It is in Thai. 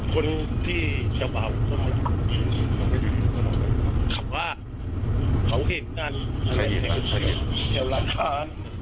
คนที่จะเบาขับว่าเขาเห็นกันแถวร้านค้า